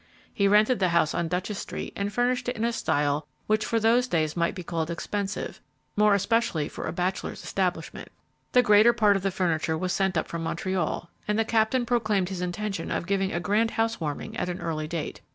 He rented the house on Duchess street and furnished it in a style which for those days might be called expensive, more especially for a bachelor's establishment. The greater part of the furniture was sent up from Montreal, and the Captain proclaimed his intention of giving a grand house warming at an early date.